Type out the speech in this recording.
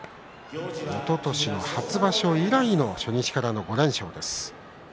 おととし初場所以来の初日からの５連勝です。